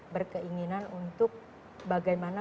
berkeinginan untuk bagaimana